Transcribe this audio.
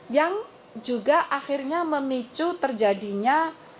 yang juga akhirnya memicu terjadinya